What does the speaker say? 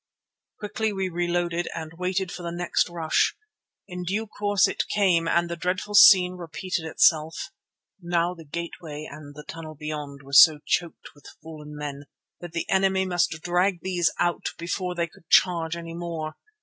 Quickly we reloaded and waited for the next rush. In due course it came and the dreadful scene repeated itself. Now the gateway and the tunnel beyond were so choked with fallen men that the enemy must drag these out before they could charge any more.